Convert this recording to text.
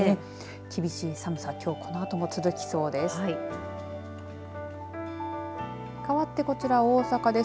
厳しい寒さ、きょうこのあとも続きそうです。